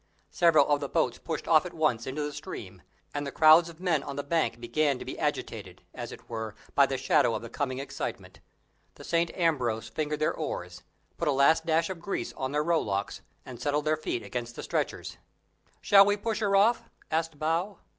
Several of the boats pushed off at once into the stream; and the crowds of men on the bank began to be agitated, as it were, by the shadow of the coming excitement. The St. Ambrose fingered their oars, put a last dash of grease on their rowlocks, and settled their feet against the stretchers. "Shall we push her off?" asked Bow.